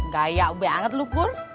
kok banyak lu pur